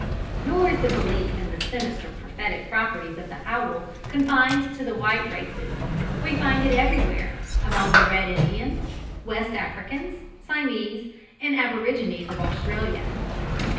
Nor is the belief in the sinister prophetic properties of the owl confined to the white races; we find it everywhere among the Red Indians. West Africans, Siamese, and Aborigines of Australia.